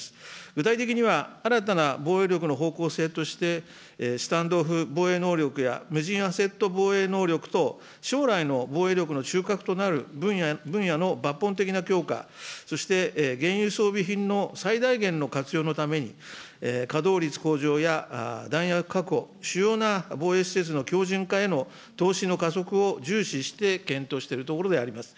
具体的には、新たな防衛力の方向性として、スタンドオフ防衛能力や無人アセット防衛能力等、将来の防衛力の中核となる分野の抜本的な強化、そして原油装備品の最大限の活用のために、稼働率向上や弾薬確保、主要な防衛施設の強じん化への投資の加速を重視して検討しているところであります。